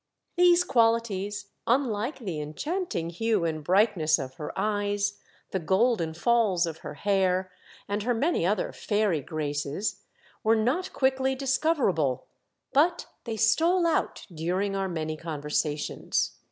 These qualities, unlike the enchanting hue and brightness of her eyes, the golden falls of her hair, and her many other fairy graces, were not quickly discoverable, but they stole out during our many conversations.